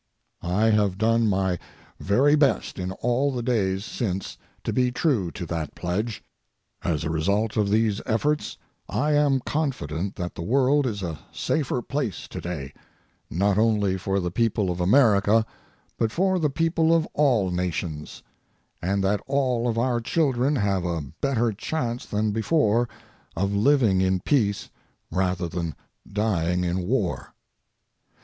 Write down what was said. I have done my very best in all the days since to be true to that pledge. As a result of these efforts, I am confident that the world is a safer place today, not only for the people of America but for the people of all nations, and that all of our children have a better chance than before of living in peace rather than dying in war.